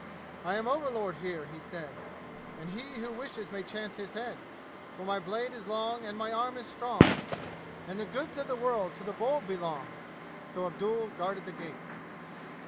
"I am overlord here," he said, "And he who wishes may chance his head, "For my blade is long, and my arm is strong, "And the goods of the world to the bold belong!" So Abdul guarded the gate.